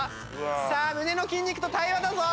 さあ腕の筋肉と対話だぞ。